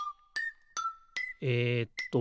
えっと